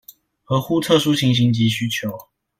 合乎特殊情形及需求